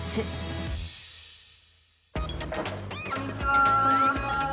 こんにちは。